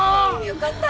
よかった。